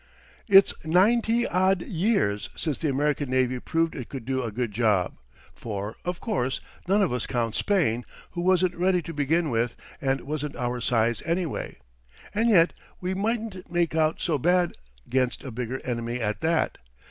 "It's ninety odd years since the American navy proved it could do a good job; for, of course, none of us count Spain, who wasn't ready to begin with, and wasn't our size, anyway. And yet, we mightn't make out so bad 'gainst a bigger enemy at that.